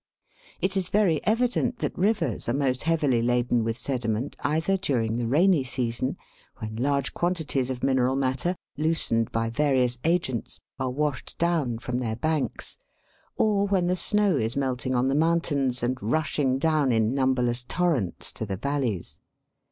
It is very evident that rivers are most heavily laden with sediment either during the rainy season, when large quanti ties of mineral matter, loosened by various agents, are washed down from their banks, or when the snow is melting on the 58 THE WORLD'S LUMBER ROOM. mountains and rushing down in numberless torrents to the valleys.